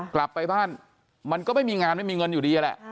กลับไปบ้านมันก็ไม่มีงานไม่มีเงินอยู่ดีแหละ